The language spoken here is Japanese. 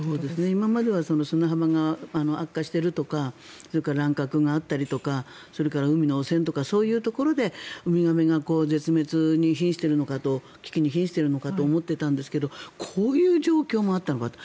今までは砂浜が悪化しているとかそれから乱獲があったりとかそれから海の汚染とかそういうところでウミガメが絶滅に、危機にひんしているのかと思っていたんですけどこういう状況もあったのかと。